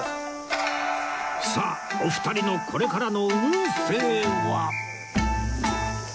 さあお二人のこれからの運勢は？